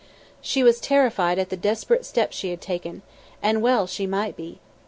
She was terrified at the desperate step she had taken and well she might be.